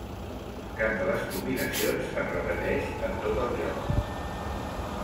Cap de les combinacions es repeteix en tot el joc.